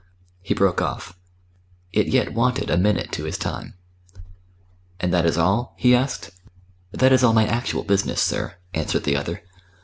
He broke off. It yet wanted a minute to his time. "And that is all?" he asked. "That is all my actual business, sir," answered the other.